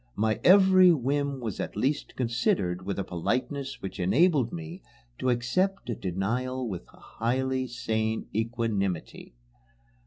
My every whim was at least considered with a politeness which enabled me to accept a denial with a highly sane equanimity.